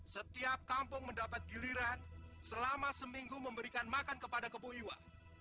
setiap kampung mendapat giliran selama seminggu memberikan makan kepada kepu iwa